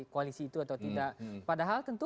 koalisi itu atau tidak padahal tentu